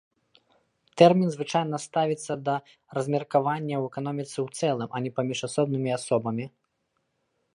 Тэрмін звычайна ставіцца да размеркавання ў эканоміцы ў цэлым, а не паміж асобнымі асобамі.